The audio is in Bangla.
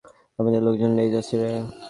আমাদের লোকেদের লেজ আছে রে?